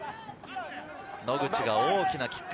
野口が大きなキック。